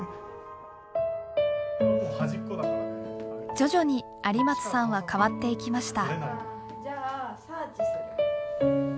徐々に有松さんは変わっていきました。